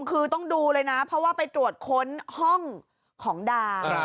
คือต้องดูเลยนะเพราะว่าไปตรวจค้นห้องของดา